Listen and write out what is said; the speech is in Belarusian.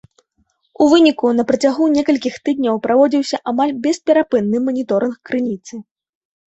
У выніку на працягу некалькіх тыдняў праводзіўся амаль бесперапынны маніторынг крыніцы.